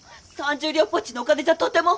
３０両ぽっちのお金じゃとても。